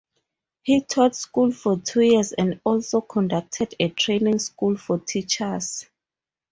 He taught school for two years and also conducted a training school for teachers.